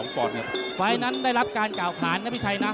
ไฟล์นั้นได้รับการกล่าวขานนะพี่ชัยนะ